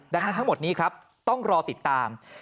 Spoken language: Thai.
ดังนั้นทั้งหมดนี้ครับต้องรอติดตาม